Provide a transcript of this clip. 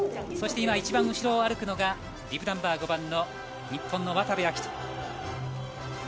そして一番後ろを歩くのがビブナンバー５番の日本の渡部暁斗。